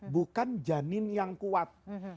bukan janin yang kuat